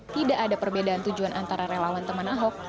tidak ada perbedaan tujuan antara relawan teman ahok